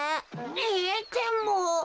えっでも。